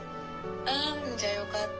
ああじゃあよかった。